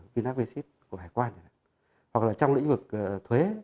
vinapassit của hải quan hoặc là trong lĩnh vực thuế